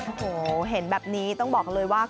โอ้โหเห็นแบบนี้ต้องบอกเลยว่า